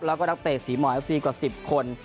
แล้วก็นักเตะสีหมอเอฟซีกว่า๑๐คน